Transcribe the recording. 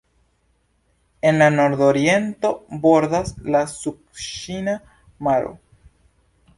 En la nordoriento bordas la sudĉina maro.